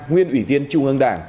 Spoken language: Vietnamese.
nguyên ủy viên trung ương đảng